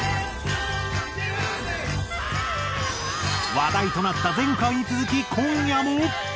話題となった前回に続き今夜も。